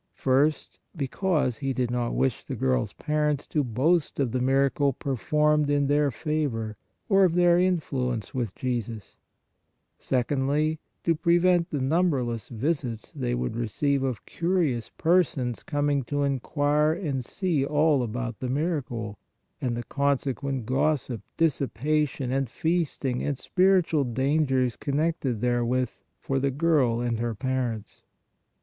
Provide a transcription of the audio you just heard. First, because He did not wish the girl s parents to boast of the miracle performed in their favor or of their influence with Jesus; sec ondly, to prevent the numberless visits they would receive of curious persons coming to inquire and see all about the miracle, and the consequent gossip, dissipation and feasting and spiritual dangers con nected therewith for the girl and her parents.